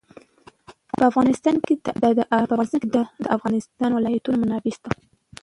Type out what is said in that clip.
په افغانستان کې د د افغانستان ولايتونه منابع شته.